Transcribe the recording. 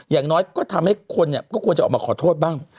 อย่างน้อยก็ทำให้คนเนี่ยก็ควรจะออกมาขอโทษบ้าง